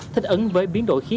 thích ứng với biến phương sinh kế